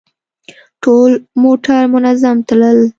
ټول موټر منظم تلل.